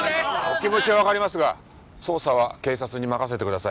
お気持ちはわかりますが捜査は警察に任せてください。